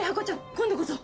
今度こそ。